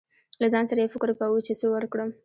له ځان سره يې فکر کو، چې څه ورکړم.